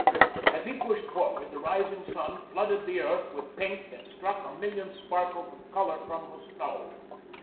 As he pushed forward the rising sun flooded the earth with pink and struck a million sparkles of color from the snow.